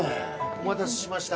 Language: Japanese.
お待たせしました。